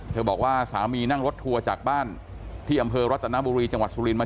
บอกว่าสามีนั่งรถทัวร์จากบ้านที่อำเภอรัตนบุรีจังหวัดสุรินมา